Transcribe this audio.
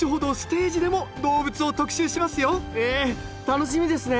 楽しみですね。